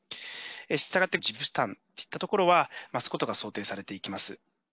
したがって、事務負担というところは増すことが想定されていきます。